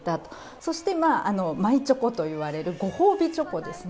そしてマイチョコといわれるご褒美チョコですね。